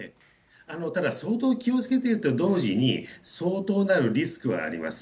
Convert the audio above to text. ただ、相当気をつけてると同時に、相当なるリスクはあります。